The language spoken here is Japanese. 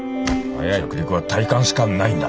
着陸は体感しかないんだ。